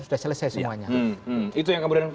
sudah selesai semuanya itu yang kemudian